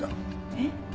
えっ？